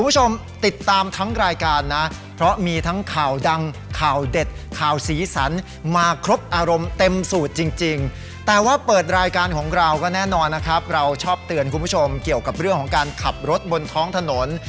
ชอบเตือนคุณผู้ชมเกี่ยวกับเรื่องของการขับรถบนท้องถนน